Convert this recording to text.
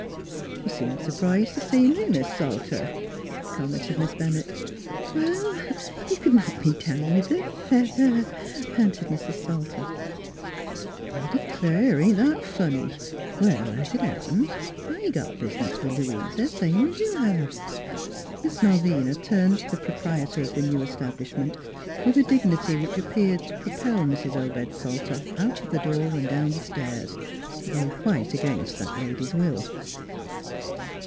NEIGHBORS 33 " You seem s'rprised t' see me, Mis' Salter," commented Miss Bennett. " Why, I You c'd knock me down with a feather! " panted Mrs. Salter. "I d'clare, ain't that funny! Well, es it happens, I got bizniz with Louisa, same's you have." Miss Malvina turned to the proprietor of the new establishment with a dignity which appeared to propel Mrs. Obed Salter out of the door and down the stairs, though quite against that lady's will.